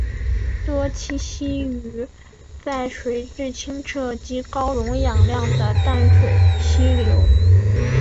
多栖息于在水质清澈及高溶氧量的淡水溪流。